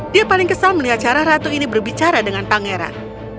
dia paling kesal melihat cara ratu ini berbicara dengan pangeran